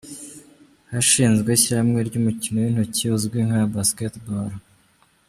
Hashinzwe ishyirahamwe ry’umukino w’intoki uzwi nka basketball.